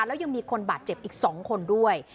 แล้วยังมีคนบาดเจ็บอีก๒คนด้วย